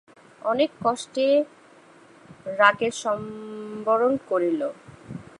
অনেক কষ্টে রােদন সম্বরণ করিল।